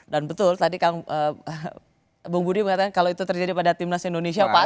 dan betul tadi bung budi mengatakan kalau itu terjadi pada timnas indonesia pasti